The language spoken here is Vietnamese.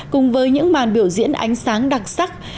cùng với những màn biểu diễn ánh sáng đặc sắc